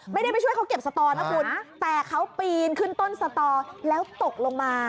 ไม่ได้ไปช่วยเขาเก็บสตอนะคุณแต่เขาปีนขึ้นต้นสตอแล้วตกลงมา